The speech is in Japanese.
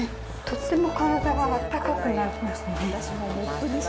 とっても体があったかくなりますね。